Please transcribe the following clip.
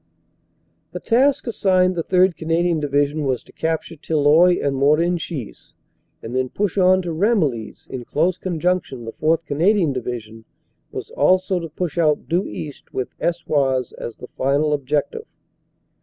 The task assigned the 3rd. Canadian Division was to cap ture Tilloy and Morenchies, and then push on to Ramillies. In close conjunction the 4th. Canadian Division was also to push out due east with Eswars as the final objective.